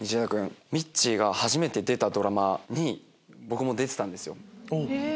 みっちーが初めて出たドラマに僕も出てたんですよ。